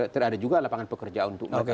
terada juga lapangan pekerjaan untuk mereka